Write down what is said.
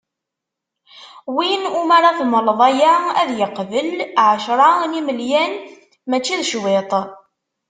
Win umi ara temleḍ aya ad yeqbel, ɛecra n yimelyan! Mačči d cwiṭ.